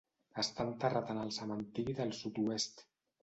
Està enterrat en el Cementiri del Sud-oest.